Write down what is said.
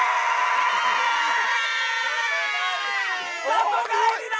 里帰りだ！